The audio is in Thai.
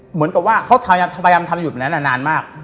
เหมือนกับว่าเขาพยายามทำอยู่แบบนั้นนานมาก